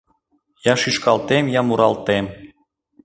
Я шӱшкалтем, я муралтем